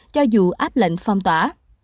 cho dù áp lệnh phong tỏa